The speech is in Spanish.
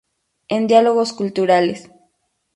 En Diálogos Culturales.